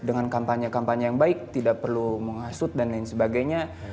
dengan kampanye kampanye yang baik tidak perlu mengasut dan lain sebagainya